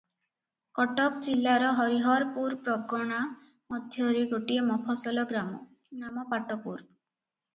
କଟକ ଜିଲାର ହରିହରପୁର ପ୍ରଗନା ମଧ୍ୟରେ ଗୋଟିଏ ମଫସଲ ଗ୍ରାମ, ନାମ ପାଟପୁର ।